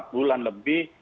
empat bulan lebih